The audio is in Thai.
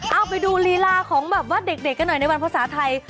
เอาไปดูลีลาของแบบว่าเด็กกันหน่อยในวันภาษาไทย